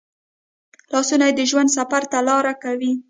لاسونه د ژوند سفر ته لار کوي